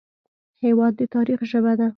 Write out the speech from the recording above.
هېواد د تاریخ ژبه ده.